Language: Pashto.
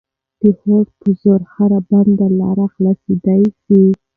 د هوډ په زور هره بنده لاره خلاصېدلای سي.